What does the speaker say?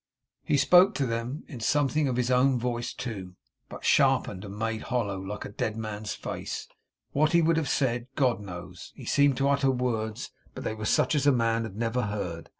He spoke to them in something of his own voice too, but sharpened and made hollow, like a dead man's face. What he would have said, God knows. He seemed to utter words, but they were such as man had never heard.